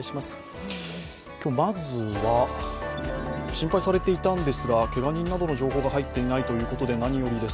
今日、まずは心配されていたんですが、けが人などの情報が入っていないということで何よりです。